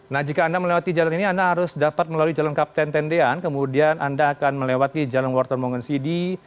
nah jika anda melewati jalan ini anda harus dapat melalui jalan kapten tendean kemudian anda akan melewati jalan water mongensidi